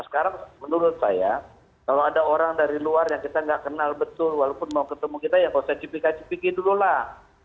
sekarang menurut saya kalau ada orang dari luar yang kita nggak kenal betul walaupun mau ketemu kita ya nggak usah cipika cipiki dulu lah